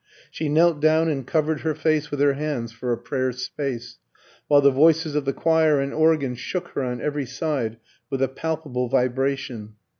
She knelt down and covered her face with her hands for a prayer's space, while the voices of the choir and organ shook her on every side with a palpable vibration.